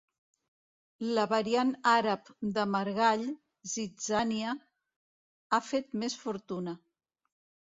La variant àrab de margall —zitzània— ha fet més fortuna.